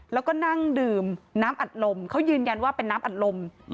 แล้วก็นั่งดื่มน้ำอัดลมเขายืนยันว่าเป็นน้ำอัดลม